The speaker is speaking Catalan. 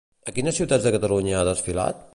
A quines ciutats de Catalunya ha desfilat?